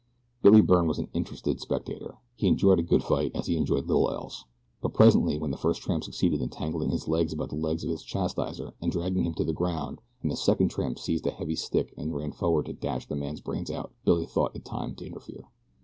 Billy Byrne was an interested spectator. He enjoyed a good fight as he enjoyed little else; but presently when the first tramp succeeded in tangling his legs about the legs of his chastiser and dragging him to the ground, and the second tramp seized a heavy stick and ran forward to dash the man's brains out, Billy thought it time to interfere.